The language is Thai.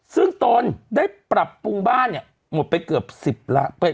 ซึ่งตนได้ปรับปรุงบ้านเนี่ยหมดไปเกือบ๑๐ล้าน